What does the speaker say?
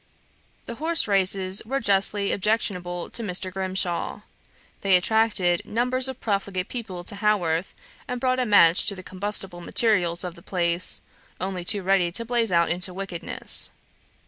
The horse races were justly objectionable to Mr. Grimshaw; they attracted numbers of profligate people to Haworth, and brought a match to the combustible materials of the place, only too ready to blaze out into wickedness.